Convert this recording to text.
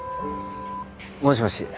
もしもし。